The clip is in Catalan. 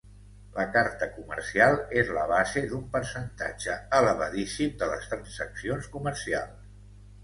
La carta comercial és la base d'un percentatge elevadíssim de les transaccions comercials.